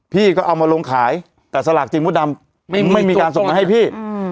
พี่ก็เอามาลงขายแต่สลากจริงมดดำไม่มีการส่งมาให้พี่